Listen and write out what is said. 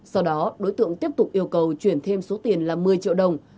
sau đó đối tượng tiếp tục yêu cầu chuyển thêm số tiền là một mươi triệu đồng